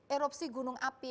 erupsi gunung api